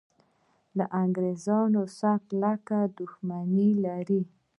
له انګریزانو سره کلکه دښمني لري.